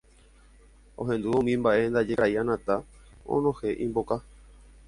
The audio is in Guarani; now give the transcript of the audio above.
Ohendúvo umi mba'e ndaje karai Anata onohẽ imboka